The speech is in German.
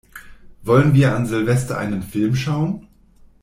Wollen wir an Silvester einen Film schauen?